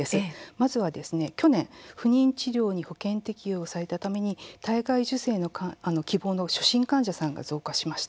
まずは去年不妊治療が保険適用されたために体外受精を希望する初診患者さんが増えたんです。